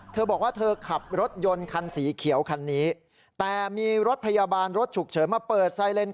เธอบอกว่าเธอขับรถยนต์คันสีเขียวคันนี้แต่มีรถพยาบาลรถฉุกเฉินมาเปิดไซเลน